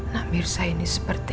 namirza ini seperti